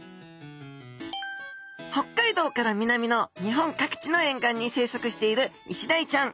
北海道から南の日本各地の沿岸に生息しているイシダイちゃん。